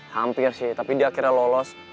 hampir sih tapi dia akhirnya lolos